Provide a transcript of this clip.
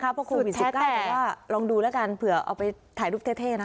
ถ้าพวกคุณผิดสุดใกล้ก็ลองดูแล้วกันเผื่อเอาไปถ่ายรูปเท่นะ